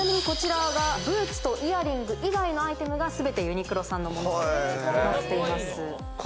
こちらが、ブーツとイヤリング以外のアイテムが全てユニクロさんのものです。